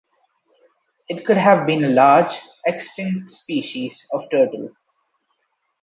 It could have been a large, extinct species of turtle.